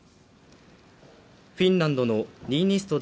フィンランドのニーニスト